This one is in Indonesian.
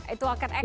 itu akan ekstra